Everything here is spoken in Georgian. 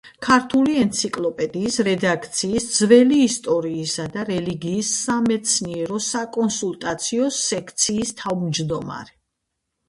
ქართული ენციკლოპედიის რედაქციის ძველი ისტორიისა და რელიგიის სამეცნიერო–საკონსულტაციო სექციის თავმჯდომარე.